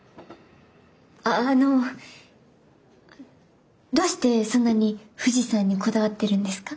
あっあのどうしてそんなに富士山にこだわってるんですか？